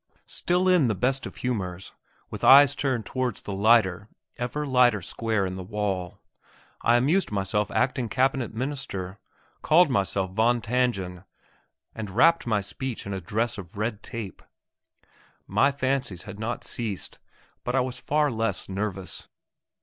Still in the best of humours, with eyes turned towards the lighter, ever lighter square in the wall, I amused myself acting Cabinet Minister; called myself Von Tangen, and clothed my speech in a dress of red tape. My fancies had not ceased, but I was far less nervous.